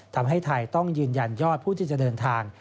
ทำให้ไทยต้องยืนยันยอดผู้ที่จะเดินทาง